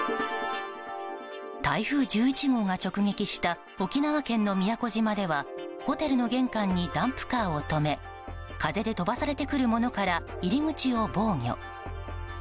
台風１１号が直撃した沖縄県の宮古島ではホテルの玄関にダンプカーを止め風で飛ばされてくるものから入り口を防御。